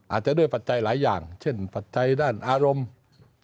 อาจจะด้วยปัจจัยหลายอย่างเช่นปัจจัยด้านอารมณ์